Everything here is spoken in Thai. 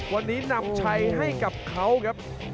วันนี้นำชัยให้กับเขาครับ